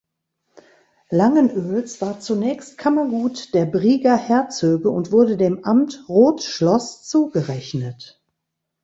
Langenöls war zunächst Kammergut der Brieger Herzöge und wurde dem Amt Rothschloß zugerechnet.